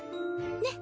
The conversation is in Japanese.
ねっ！